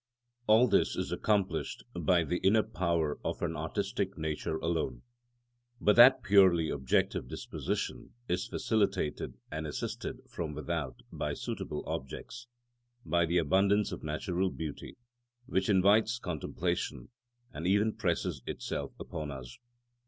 All this is accomplished by the inner power of an artistic nature alone; but that purely objective disposition is facilitated and assisted from without by suitable objects, by the abundance of natural beauty which invites contemplation, and even presses itself upon us.